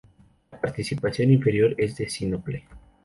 La partición inferior es de sínople.